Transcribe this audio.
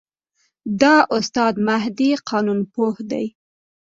دا استاد مهدي قانونپوه دی.